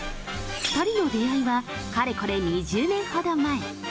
２人の出会いはかれこれ２０年ほど前。